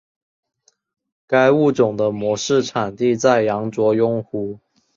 该物种的模式产地在羊卓雍湖。